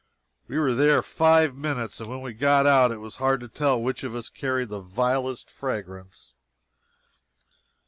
We were there five minutes, and when we got out it was hard to tell which of us carried the vilest fragrance.